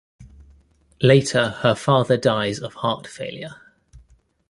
Later her father dies of heart failure.